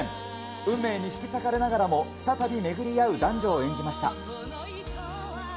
運命に引き裂かれながらも再び巡り合う男女を演じました。